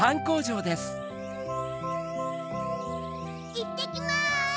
いってきます！